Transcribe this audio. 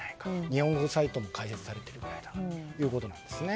日本語のサイトも開設されているということなんですね。